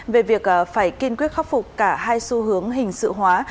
về việc phải kiên quyết khắc phục cả hai xu hướng hình sự hóa